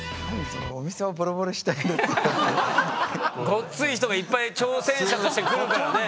ごっつい人がいっぱい挑戦者として来るからね。